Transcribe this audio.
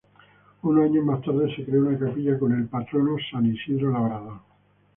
Unos años más tarde se creó una capilla con el patrono San Isidro Labrador.